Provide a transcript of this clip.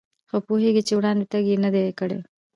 خو پوهېږي چې وړاندې تګ یې نه دی کړی.